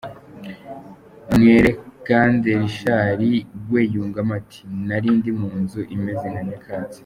Mwerekande Richard we yungamo ati “Nari ndi munzu imeze nka Nyakatsi.